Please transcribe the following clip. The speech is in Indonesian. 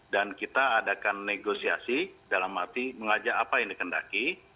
dan kita adakan negosiasi dalam arti mengajak apa yang dikendaki